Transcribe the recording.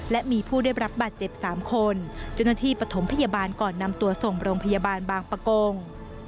และมีผู้ได้รับบาดเจ็บ๓คนเจ้าหน้าที่ปฐมพยาบาลก่อนนำตัวส่งโรงพยาบาลบางประกง